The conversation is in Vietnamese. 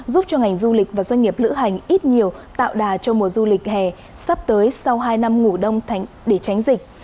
giúp cho ngành du lịch và doanh nghiệp lữ hành ít nhiều tạo đà cho mùa du lịch hè sắp tới sau hai năm ngủ đông để tránh dịch